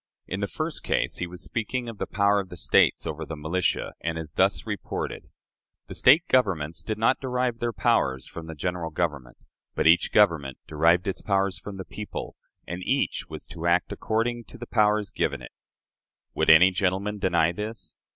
In the first case, he was speaking of the power of the States over the militia, and is thus reported: "The State governments did not derive their powers from the General Government; but each government derived its powers from the people, and each was to act according to the powers given it. Would any gentleman deny this?...